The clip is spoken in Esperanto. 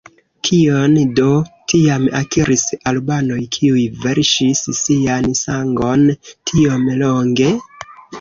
Kion do tiam akiris albanoj kiuj verŝis sian sangon tiom longe?